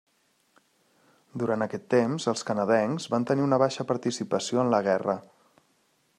Durant aquest temps, els canadencs van tenir una baixa participació en la guerra.